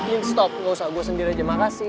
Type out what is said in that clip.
in stock gak usah gue sendiri aja makasih